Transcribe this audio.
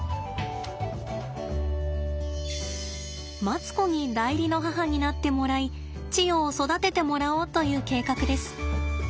マツコに代理の母になってもらいチヨを育ててもらおうという計画です。